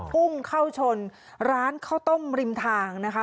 พุ่งเข้าชนร้านข้าวต้มริมทางนะคะ